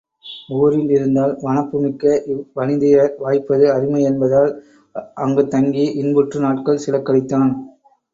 ஊரில் இருந்தால் வனப்புமிக்க இவ் வனிதையர் வாய்ப்பது அருமை என்பதால் அங்குத் தங்கி இன்புற்று நாட்கள் சில கழித்தான்.